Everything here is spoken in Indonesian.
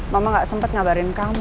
mama gak sempat ngabarin kamu